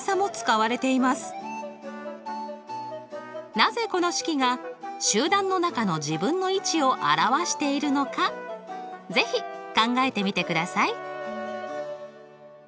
なぜこの式が集団の中の自分の位置を表しているのか是非考えてみてください。